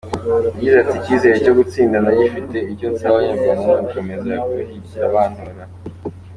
Yagize ati “Icyizere cyo gutsinda ndagifite, icyo nsaba Abanyarwanda ni ugukomeza kunshyigikira bantora.